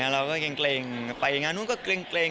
เราก็เกร็งไปงานนู้นก็เกร็ง